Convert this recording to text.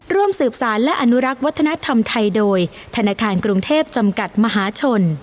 ร่วมสืบสารและอนุรักษ์วัฒนธรรมไทยโดยธนาคารกรุงเทพจำกัดมหาชน